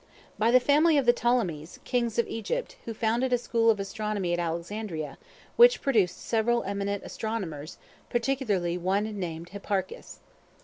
By the family of the Ptolemies, kings of Egypt, who founded a school of astronomy at Alexandria, which produced several eminent astronomers, particularly one named Hipparchus.